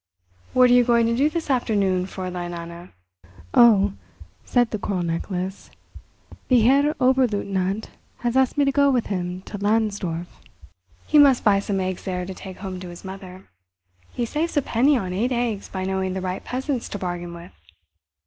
What are you going to do this afternoon, Fräulein Anna?" "Oh," said the Coral Necklace, "the Herr Oberleutnant has asked me to go with him to Landsdorf. He must buy some eggs there to take home to his mother. He saves a penny on eight eggs by knowing the right peasants to bargain with."